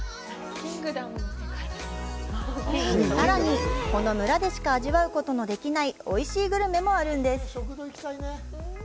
さらに、この村でしか味わうことのできないおいしいグルメもあるんです。